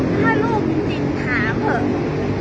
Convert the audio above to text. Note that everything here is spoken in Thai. ถ้าลูกจริงหาเผิก